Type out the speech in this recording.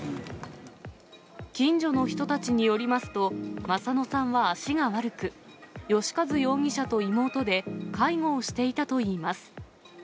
近所の人たちによりますと、マサノさんは足が悪く、良和容疑者と妹で介護をしていたといいます。